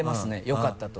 よかったと。